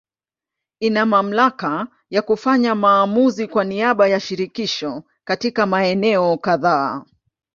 Ina mamlaka ya kufanya maamuzi kwa niaba ya Shirikisho katika maeneo kadhaa.